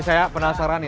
saya penasaran nih